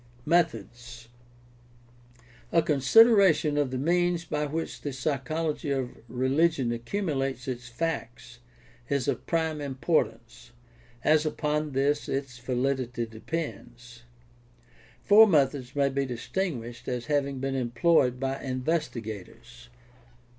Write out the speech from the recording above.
METHODS A consideration of the means by which the psychology of rehgion accumulates its facts is of prime importance, as upon this its validity depends. Four methods may be distin guished as having been employed by investigators.